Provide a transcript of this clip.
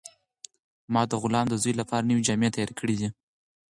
ما د غلام د زوی لپاره نوې جامې تیارې کړې دي.